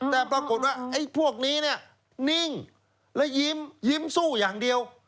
แต่ปรากฏว่าไอ้พวกนี้เนี่ยนิ่งและยิ้มสู้อย่างเดียว